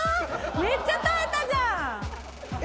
めっちゃ耐えたじゃん。え？